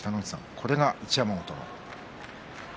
これが一山本。